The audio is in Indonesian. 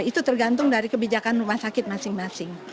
itu tergantung dari kebijakan rumah sakit masing masing